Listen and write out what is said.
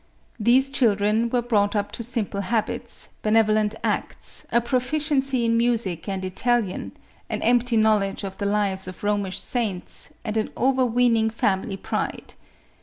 These children were brought up to simple habits, benevolent acts, a profi ciency in music and Italian, an empty knowledge of the lives of Eomish saints, and an overweening family pride.